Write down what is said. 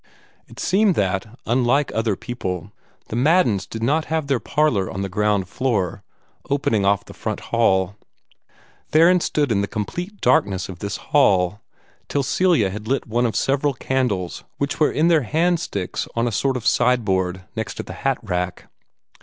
It seemed that, unlike other people, the Maddens did not have their parlor on the ground floor, opening off the front hall. Theron stood in the complete darkness of this hall, till Celia had lit one of several candles which were in their hand sticks on a sort of sideboard next the hat rack.